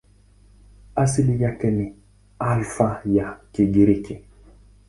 Asili yake ni Alfa ya Kigiriki.